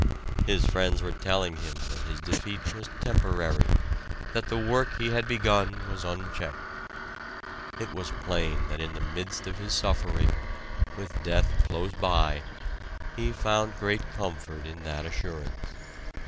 His friends were telling him that his defeat was temporary, that the work he had begun was unchecked. It was plain that in the midst of his suffering, with death close by, he found great comfort in that assurance.